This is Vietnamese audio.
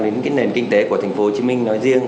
đến nền kinh tế của tp hcm nói riêng